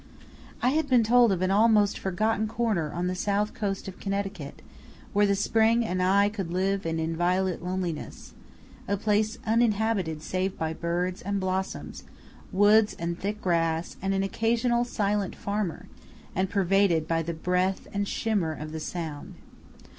I had been told of an almost forgotten corner on the south coast of Connecticut, where the spring and I could live in an inviolate loneliness a place uninhabited save by birds and blossoms, woods and thick grass, and an occasional silent farmer, and pervaded by the breath and shimmer of the Sound.